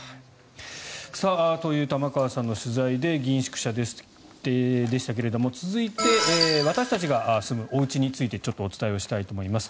さあ、という玉川さんの取材で議員宿舎でしたが続いて、私たちが住むおうちについてちょっとお伝えしたいと思います。